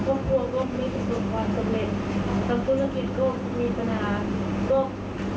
ก็เป็นที่จะต้องกลับลง